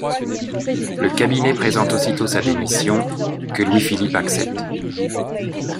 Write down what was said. Le cabinet présente aussitôt sa démission, que Louis-Philippe accepte.